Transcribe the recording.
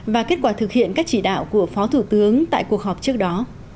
và kết quả thực hiện các chỉ đạo của phó thủ tướng tại cuộc họp trước đó